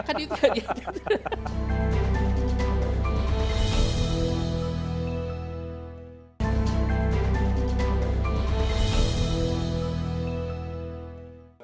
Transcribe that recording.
kan itu kan